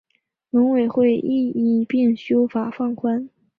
农委会亦一并修法放宽